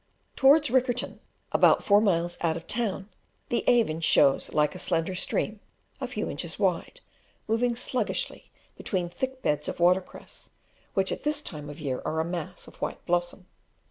Towards Riccarton, about four miles out of town, the Avon shows like a slender stream a few inches wide, moving sluggishly between thick beds of water cress, which at this time of year are a mass of white blossom.